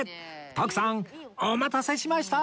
徳さんお待たせしました！